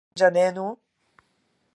勝てるんじゃねーの